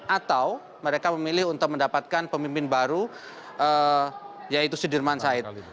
atau mereka memilih untuk mendapatkan pemimpin baru yaitu sudirman said